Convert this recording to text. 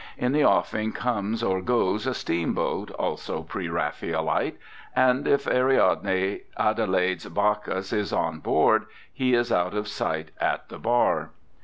In the offing comes or goes a steamboat, also pre Raphaelite; and if Ariadne Adelaide's Bacchus is on board, he is out of sight at the bar.